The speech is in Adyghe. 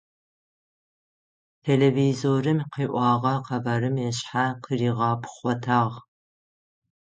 Телевизорым къыӏогъэ къэбарым ышъхьэ къыригъэпхъотагъ.